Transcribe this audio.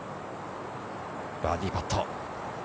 バーディーパット。